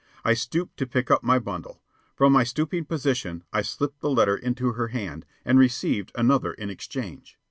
I stooped to pick up my bundle. From my stooping position I slipped the letter into her hand, and received another in exchange.